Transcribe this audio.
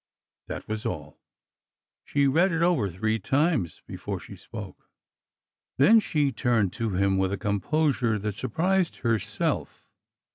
That was all. She read it over three times before she spoke. Then she turned to him with a composure that sur ' prised herself.